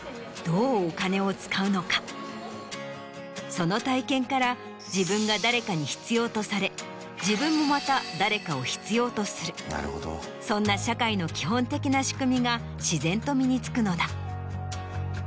その体験から自分が誰かに必要とされ自分もまた誰かを必要とするそんな社会の基本的な仕組みが自然と身に付くのだ。